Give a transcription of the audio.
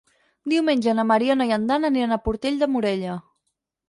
Diumenge na Mariona i en Dan aniran a Portell de Morella.